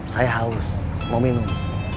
saya haus mau minum